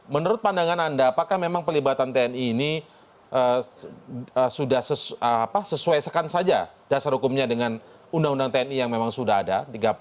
menurut pandangan anda apakah memang pelibatan tni ini sudah sesuai sekan saja dasar hukumnya dengan undang undang tni yang memang sudah ada